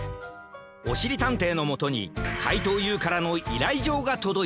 おしりたんていのもとにかいとうＵからのいらいじょうがとどいた。